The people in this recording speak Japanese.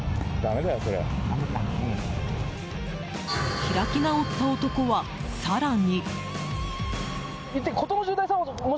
開き直った男は、更に。